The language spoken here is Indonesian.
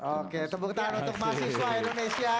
oke tepuk tangan untuk mahasiswa indonesia